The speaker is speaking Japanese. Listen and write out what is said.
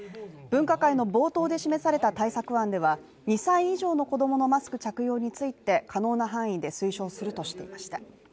分科会の冒頭で示された対策案では２歳以上の子供のマスク着用について可能な範囲で推奨するとしていました。